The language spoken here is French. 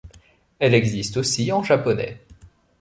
Elle existe aussi en japonais.